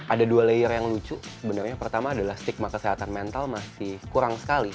ada dua layer yang lucu sebenarnya pertama adalah stigma kesehatan mental masih kurang sekali